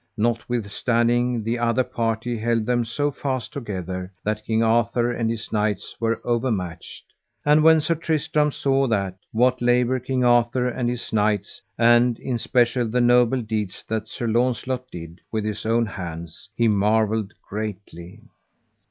Notwithstanding the other party held them so fast together that King Arthur and his knights were overmatched. And when Sir Tristram saw that, what labour King Arthur and his knights, and in especial the noble deeds that Sir Launcelot did with his own hands, he marvelled greatly.